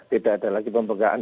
tidak ada lagi pembengkaan